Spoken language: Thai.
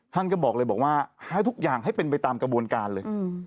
ท่านก็บอกเลยบอกว่าให้ทุกอย่างให้เป็นไปตามกระบวนการเลย